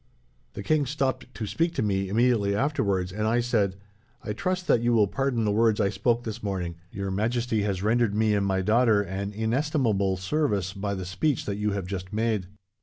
"The king stopped to speak to me, immediately afterwards, and I said: "'I trust that you will pardon the words I spoke this morning. Your Majesty has rendered me and my daughter an inestimable service, by the speech that you have just made.'